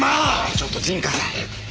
ちょっと陣川さん。